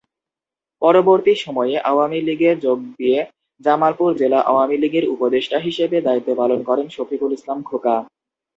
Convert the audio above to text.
পরবর্তী সময়ে আওয়ামী লীগে যোগ দিয়ে জামালপুর জেলা আওয়ামী লীগের উপদেষ্টা হিসেবে দায়িত্ব পালন করেন শফিকুল ইসলাম খোকা।